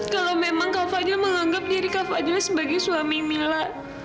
kalau memang kak fadil menganggap diri kak fadil sebagai suami mila